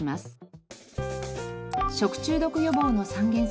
食中毒予防の３原則。